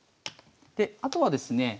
であとはですね